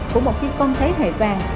của một chiếc con thế hệ vàng